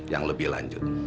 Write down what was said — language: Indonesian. yang lebih lanjut